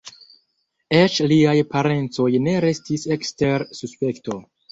Eĉ liaj parencoj ne restis ekster suspekto.